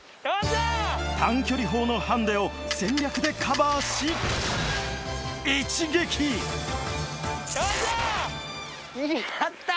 短距離砲のハンディを戦略でカバーしやった！